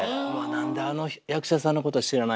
なんであの役者さんのこと知らないんだろ